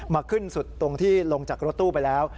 ขึ้นสุดตรงที่ลงจากรถตู้ไปแล้ว